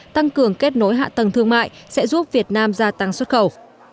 tăng cường kết nối hạ tầng thương mại sẽ giúp việt nam gia tăng xuất khẩu